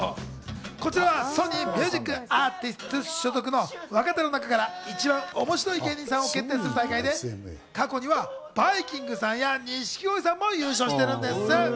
こちらはソニー・ミュージックアーティスツ所属の若手の中から一番面白い芸人さんを決定する大会で、過去にはバイきんぐさんや錦鯉さんも優勝しているんです。